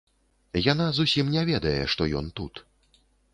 Яна зусім не ведае, што ён тут.